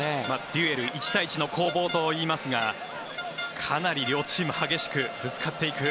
デュエル１対１の攻防といいますがかなり両チーム激しくぶつかっていく。